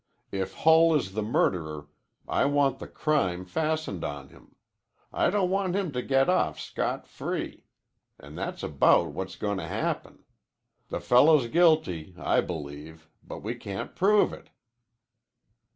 If Hull is the murderer, I want the crime fastened on him. I don't want him to get off scot free. An' that's about what's goin' to happen. The fellow's guilty, I believe, but we can't prove it."